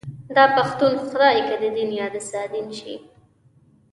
داپښتون خدای که ددين يا دسادين شي